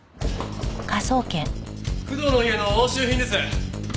工藤の家の押収品です。